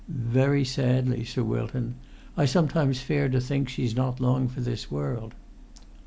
"Very sadly, Sir Wilton. I sometimes fare to think she's not long for this world."